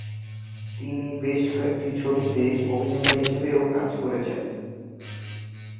তিনি বেশ কয়েকটি ছবিতে অভিনেতা হিসেবেও কাজ করেছেন।